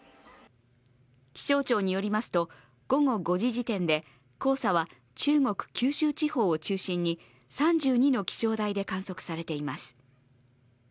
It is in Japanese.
気象庁によりますと、午後５時時点で黄砂は中国・九州地方を中心に３２の気象台で観測されています。